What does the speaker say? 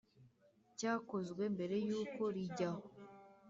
Cyakozwe mbere y’uko rijyaho,